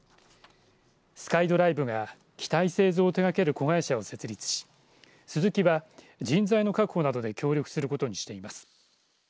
ＳｋｙＤｒｉｖｅが機体製造を手がける子会社を設立しスズキは人材の確保などで協力することにしています。